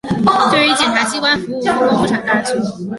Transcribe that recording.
对于检察机关服务复工复产大局